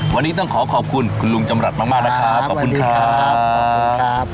วันนี้ต้องขอขอบคุณคุณลุงจำรัฐมากนะครับขอบคุณครับ